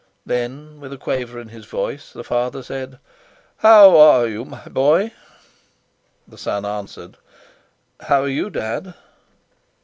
Then, with a quaver in his voice, the father said: "How are you, my boy?" The son answered: "How are you, Dad?"